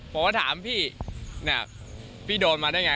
ผมก็ถามพี่พี่โดนมาได้ไง